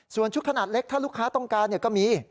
ส่วนชุดขนาดเล็กถ้าลูกค้าต้องการก็มี